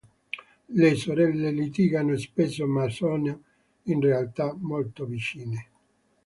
Le sorelle litigano spesso, ma sono in realtà molto vicine.